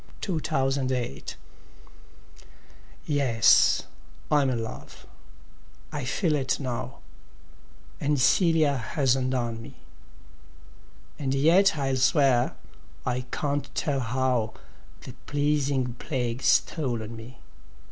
Y Z The Je Ne Scai Quoi YES, I'm in love, I feel it now, And Cælia has undone me; And yet I'll swear I can't tell how The pleasing plague stole on me.